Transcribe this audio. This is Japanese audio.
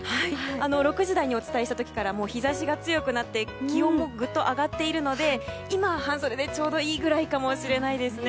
６時台にお伝えした時から日差しが強くなって気温もぐっと上がっているので今は半袖でちょうどいいぐらいかもしれないですね。